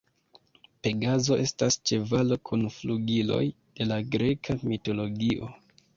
Pegazo estas ĉevalo kun flugiloj de la greka mitologio.